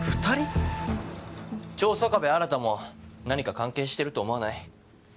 長曾我部新も何か関係してると思わない？